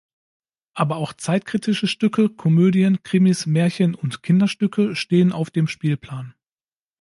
Aber auch zeitkritische Stücke, Komödien, Krimis, Märchen und Kinderstücke stehen auf dem Spielplan.